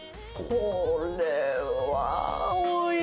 これはおいしい！